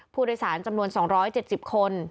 ผู้โดยสารจำนวน๒๗๐คน